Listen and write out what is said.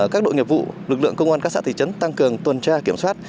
các đội nghiệp vụ lực lượng công an các xã thị trấn tăng cường tuần tra kiểm soát